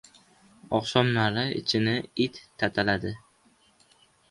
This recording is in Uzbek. Oqshomlari ichini it tataladi.